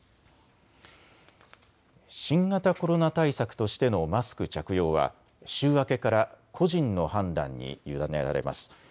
新型コロナ対策としてのマスク着用は週明けから個人の判断に委ねられます。